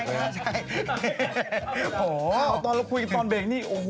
ข่าวที่เราคุยกันตอนเบรคนี่